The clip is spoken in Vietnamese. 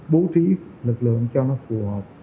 bố trí lực lượng cho nó phù hợp